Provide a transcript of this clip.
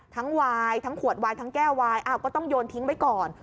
ทั้งไวทั้งขวดไวทั้งแก้วไวอ้าวเราก็ต้องโยนทิ้งไปก่อน